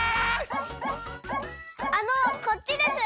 あのこっちです。